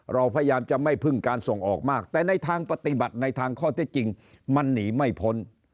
เราพยายามจะไม่พึ่งการส่งออกมากแต่ในทางปฏิบัติในทางข้อเท็จจริงมันหนีไม่พ้น